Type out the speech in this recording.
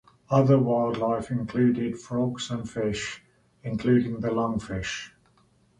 Other wildlife included frogs and fish, including the lungfish.